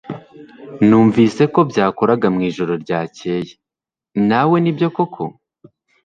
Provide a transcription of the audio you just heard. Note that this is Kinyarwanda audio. Numvise ko byakoraga mwijoro ryakeye nawe Nibyo koko?